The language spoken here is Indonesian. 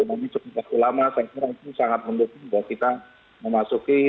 ini cukup lama saya kira ini sangat mendukung bagi kita memasuki